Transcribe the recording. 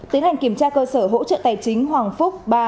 tiến hành kiểm tra cơ sở hỗ trợ tài chính hoàng phúc